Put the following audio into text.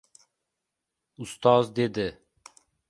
Ustod dedi: